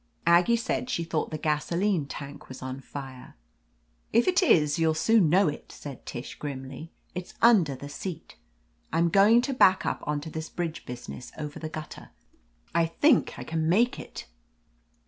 Aggie said she thought the gasoline tank was on fire. "If it is you'll soon know it," said Tish grimly. "It's under the seat. I'm going to back up on to this bridge business over the gutter. I think J can make it."